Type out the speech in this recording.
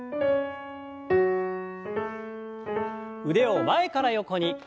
腕を前から横に。